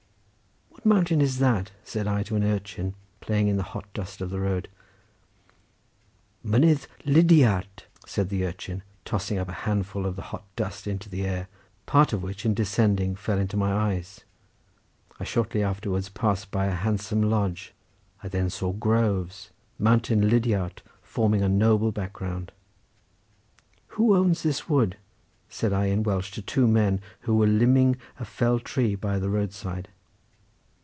"What mountain is that?" said I to an urchin playing in the hot dust of the road. "Mynydd Lidiart!" said the urchin, tossing up a handful of the hot dust into the air, part of which in descending fell into my eyes. I shortly afterwards passed by a handsome lodge. I then saw groves, mountain Lidiart forming a noble background. "Who owns this wood?" said I in Welsh to two men who were limbing a felled tree by the roadside.